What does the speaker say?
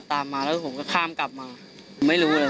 ขึ้นสะพานบนด้านสี่แล้วก็บนกลับมามาตรงสามสี่ห้ามันก็ไล่ตามมาอยู่ตรงนั้น